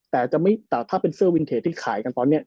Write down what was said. แต่ถ้าเป็นเสื้อวินเทจที่ขายกันตอนนี้